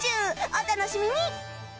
お楽しみに！